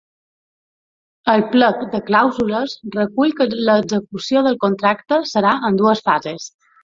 El plec de clàusules recull que l’execució del contracte serà en dues fases.